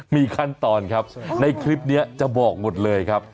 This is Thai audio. มีขั้นตอนครับในคลิปนี้จะบอกหมดเลยครับ